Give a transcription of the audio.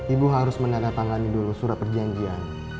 ibu harus menandatangani dulu surat perjanjian